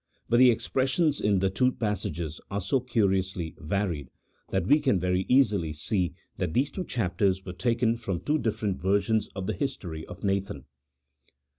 bnt the expressions in the two passages are so curiously varied, 1 that we can very easily see that these two chapters were taken from two different versions of the history of Nathan.